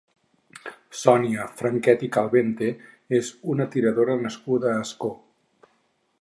Sònia Franquet i Calvente és una tiradora nascuda a Ascó.